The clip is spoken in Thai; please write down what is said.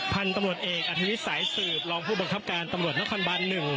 พันธุ์ตำรวจเอกอธิวิทย์สายสืบรองผู้บังคับการตำรวจนครบาน๑